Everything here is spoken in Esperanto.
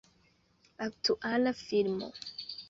Aktuala filmo.